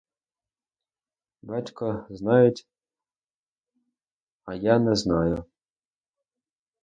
Батько знають, а я не знаю!